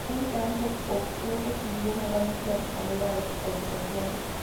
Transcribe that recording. Saint-Calais se opuso y siguió negándose a responder a las acusaciones.